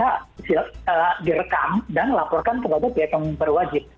mereka direkam dan laporkan kepada pihak yang berwajib